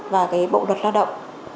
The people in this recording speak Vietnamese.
và cái bộ luật lao động